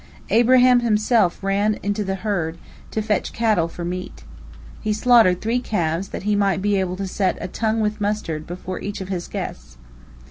Abraham himself ran unto the herd, to fetch cattle for meat. He slaughtered three calves, that he might be able to set a "tongue with mustard" before each of his guests.